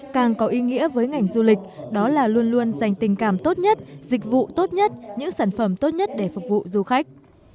càng có ý nghĩa với ngành du lịch đó là luôn luôn dành tình cảm tốt nhất dịch vụ tốt nhất những sản phẩm tốt nhất để phục vụ du khách